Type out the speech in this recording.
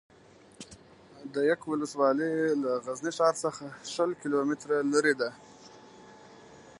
ده یک ولسوالي له غزني ښار څخه شل کیلو متره لري ده